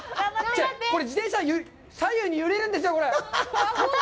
これ自転車が左右に揺れるんですよ。